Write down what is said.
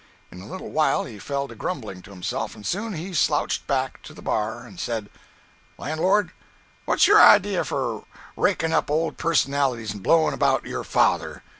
In a little while he fell to grumbling to himself, and soon he slouched back to the bar and said: "Lan'lord, what's your idea for rakin' up old personalities and blowin' about your father?